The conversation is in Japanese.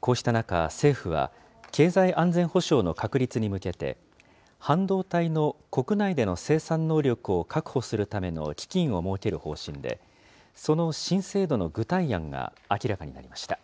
こうした中、政府は経済安全保障の確立に向けて、半導体の国内での生産能力を確保するための基金を設ける方針で、その新制度の具体案が明らかになりました。